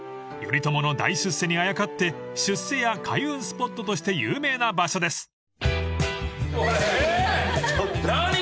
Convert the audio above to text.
［頼朝の大出世にあやかって出世や開運スポットとして有名な場所です］